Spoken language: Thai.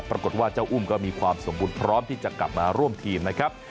ปรากฏว่าเจ้าอุ้มก็มีความสมบูรณ์พร้อมที่จะกลับมาร่วมทีมนะครับ